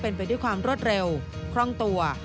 เป็นไปด้วยความรวดเร็วคล่องตัว